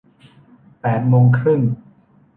แปดโมงครึ่ง